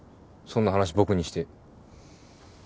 そんな話僕にして。